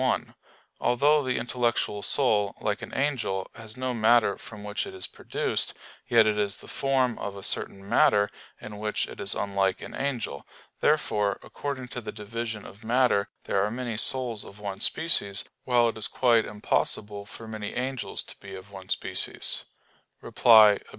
1: Although the intellectual soul, like an angel, has no matter from which it is produced, yet it is the form of a certain matter; in which it is unlike an angel. Therefore, according to the division of matter, there are many souls of one species; while it is quite impossible for many angels to be of one species. Reply Obj.